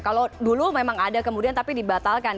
kalau dulu memang ada kemudian tapi dibatalkan